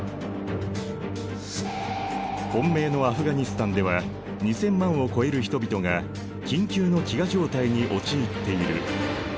混迷のアフガニスタンでは２，０００万を超える人々が緊急の飢餓状態に陥っている。